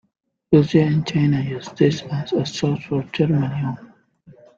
Russia and China used this as a source for germanium.